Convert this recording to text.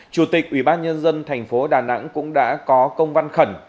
chủ tịch ubnd thành phố đà nẵng cũng đã có công văn khẩn